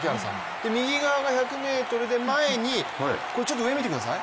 右側が１００ｍで、前に上、見てください。